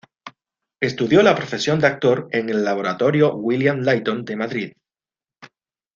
Estudió la profesión de actor en el Laboratorio William Layton de Madrid.